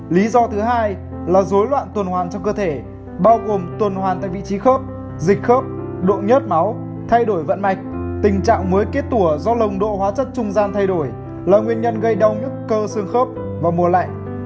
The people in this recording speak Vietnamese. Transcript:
lý do thứ hai là dối loạn tuần hoàn trong cơ thể bao gồm tuần hoàn tại vị trí khớp dịch khớp độ nhớt máu thay đổi vận mạch tình trạng mới kết tụa do lồng độ hóa chất trung gian thay đổi là nguyên nhân gây đau nhức cơ xương khớp vào mùa lạnh